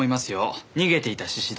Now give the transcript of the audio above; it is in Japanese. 逃げていた宍戸